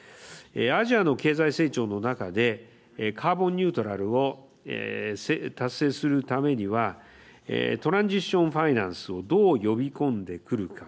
アジアの経済成長の中でカーボンニュートラルを達成するためにはトランジッションファイナンスをどう呼び込んでくるか。